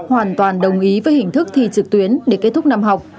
hoàn toàn đồng ý với hình thức thi trực tuyến để kết thúc năm học